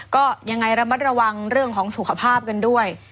ก็ยังไงระมัดระวังเรื่องของสุขภาพกันด้วย